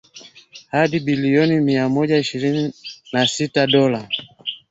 hadi billioni mia moja ishirini na sita dola